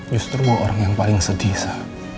justru gue orang yang paling sedih sa